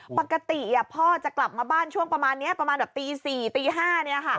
ปกติพ่อจะกลับมาบ้านช่วงประมาณนี้ประมาณแบบตี๔ตี๕